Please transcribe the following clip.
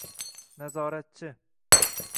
nazoratchi